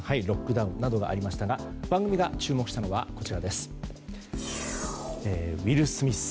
ロックダウンなどがありましたが番組が注目したのはこちらです。